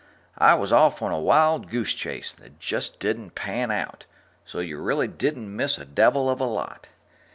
I was off on a wild goose chase that just didn't pan out, so you really didn't miss a devil of a lot.